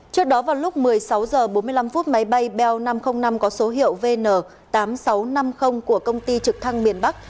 trước đó vào lúc một mươi sáu h bốn mươi năm phút máy bay bo năm trăm linh năm có số hiệu vn tám nghìn sáu trăm năm mươi của công ty trực thăng miền bắc